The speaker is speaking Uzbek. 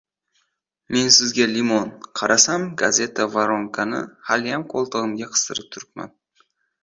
Men sizga limon... - Qarasam, gazeta «voronka»ni haliyam qo‘ltig‘imga qistirib turibman.